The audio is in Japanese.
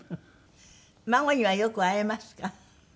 孫にはよく会えますか？